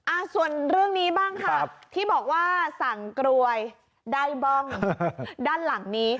อ่าส่วนเรื่องนี้บ้างค่ะที่บอกว่าสั่งกรวยได้บ้องด้านหลังนี้